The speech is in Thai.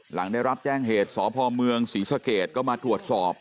หลังได้รับแจ้งเหตุสพเมืองศรีสะเกดก็มาตรวจสอบ